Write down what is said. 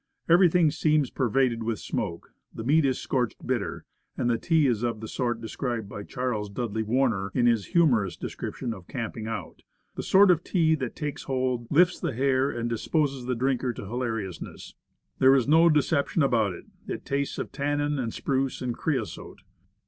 Everything seems pervaded with smoke. The meat is scorched bitter, and the tea is of the sort described by Charles Dudley Warner, in his humorous description of " Camping Out ":" The sort of tea that takes hold, lifts the hair, and disposes the drinker to hilariouness. There is no deception about it, it tastes of tannin, and spruce, and creosote."